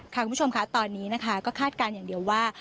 คุณผู้ชมค่ะตอนนี้นะคะก็คาดการณ์อย่างเดียวว่า